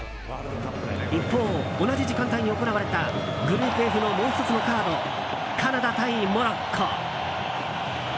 一方、同じ時間帯に行われたグループＦのもう１つのカードカナダ対モロッコ。